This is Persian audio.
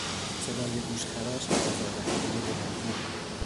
صدای گوش خراش و آزار دهندهی بلند گو